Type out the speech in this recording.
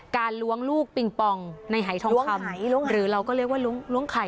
ล้วงลูกปิงปองในหายทองคำหรือเราก็เรียกว่าล้วงไข่